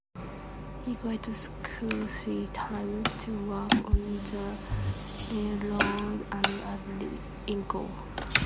He quit school three times to work on the railroad, and at Inco.